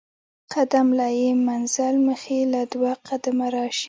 قدم له ئې منزل مخي له دوه قدمه راشي